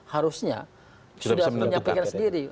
harusnya sudah punya pikiran sendiri